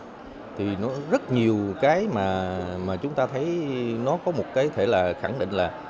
trong bố trí sắp xếp nhân sự rất nhiều cái mà chúng ta thấy nó có một cái khẳng định là